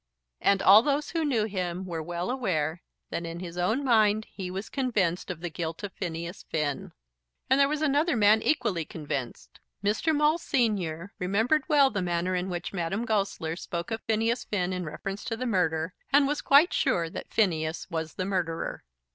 And all those who knew him were well aware that in his own mind he was convinced of the guilt of Phineas Finn. And there was another man equally convinced. Mr. Maule, Senior, remembered well the manner in which Madame Goesler spoke of Phineas Finn in reference to the murder, and was quite sure that Phineas was the murderer.